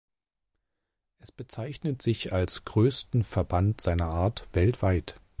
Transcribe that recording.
Es bezeichnet sich als größten Verband seiner Art weltweit.